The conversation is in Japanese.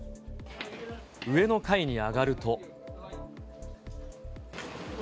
上の階に上がると。